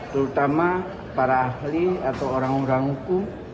terutama para ahli atau orang orang hukum